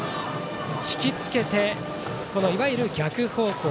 引き付けて、いわゆる逆方向